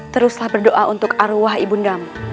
teruslah berdoa untuk arwah ibu ndamu